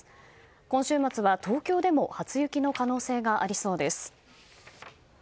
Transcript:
今週末は、東京でも初雪の可能性がありそうです。